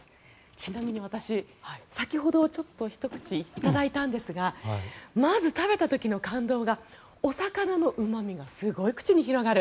ちなみに私、先ほどちょっとひと口いただいたんですがまず食べた時の感動がお魚のうま味がすごい口に広がる。